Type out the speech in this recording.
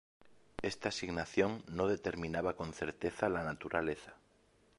Esta asignación no determinaba con certeza la naturaleza.